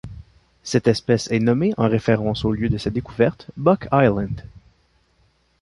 Cette espèce est nommée en référence au lieu de sa découverte, Buck Island.